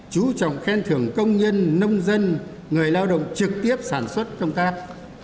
chú trọng khen thưởng công nhân nông dân người lao động trực tiếp sản xuất công tác